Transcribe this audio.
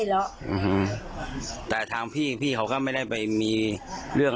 เออมันเขียนไอเลาะอื้อฮือแต่ทางพี่พี่เขาก็ไม่ได้ไปมีเรื่อง